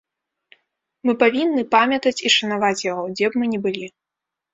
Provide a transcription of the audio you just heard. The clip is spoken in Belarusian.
Мы павінны памятаць і шанаваць яго, дзе б мы не былі.